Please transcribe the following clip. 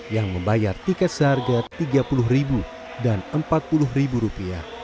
yang membayar tiket seharga rp tiga puluh dan rp empat puluh